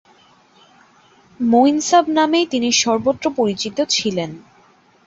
মঈন সাব নামেই তিনি সর্বত্র পরিচিত ছিলেন।